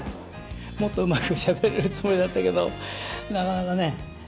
もっとうまくしゃべれるつもりだったけどなかなかね。